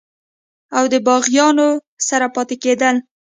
او دَباغيانو سره پاتې کيدل